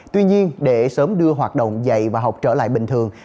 tuy nhiên để sớm đưa hoạt động dạy và học trở lại bình thường